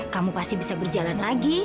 kamu pasti bisa berjalan lagi